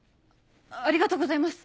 ありがとうございます。